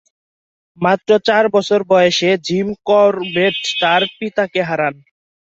মাত্র চার বছর বয়সে জিম করবেট তার পিতাকে হারান।